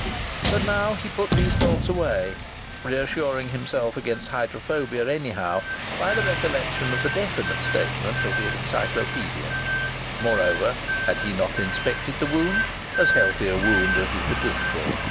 But now he put these thoughts away, reassuring himself against hydrophobia anyhow, by the recollection of the definite statement of the Encyclopedia. Moreover, had he not inspected the wound as healthy a wound as you could wish for?